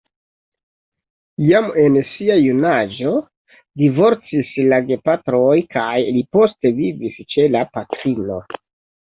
Jam en sia junaĝo divorcis la gepatroj kaj li poste vivis ĉe la patrino.